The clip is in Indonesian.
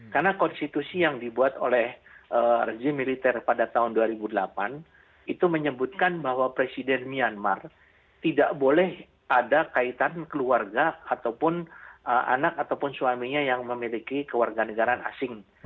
karena konstitusi yang dibuat oleh rezim militer pada tahun dua ribu delapan itu menyebutkan bahwa presiden myanmar tidak boleh ada kaitan keluarga ataupun anak ataupun suaminya yang memiliki keluarga negara asing